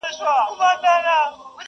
په زارۍ به یې خیرات غوښت له څښتنه!